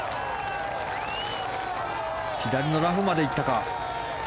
左のラフまで行ったか。